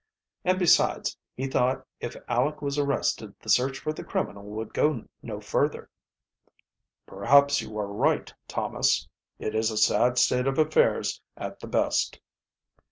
"And, besides, he thought if Aleck was arrested the search for the criminal would go no further." "Perhaps you are right, Thomas. It is a sad state of affairs at the best."